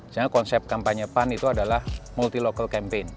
sebenarnya konsep kampanye pan itu adalah multi local campaign